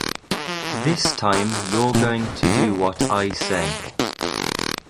This time you're going to do what I say.